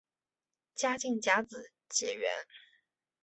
嘉靖甲子解元。